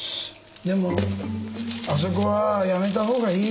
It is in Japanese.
でもあそこはやめた方がいい。